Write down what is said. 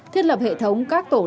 thiết lập hệ thống các tổ lệnh